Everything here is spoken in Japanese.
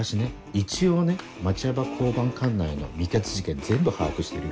一応ね町山交番管内の未決事件全部把握してるよ。